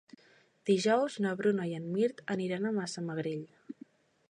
Dijous na Bruna i en Mirt aniran a Massamagrell.